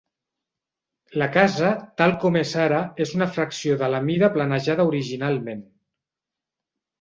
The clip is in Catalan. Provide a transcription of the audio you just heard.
La casa tal com és ara és una fracció de la mida planejada originalment.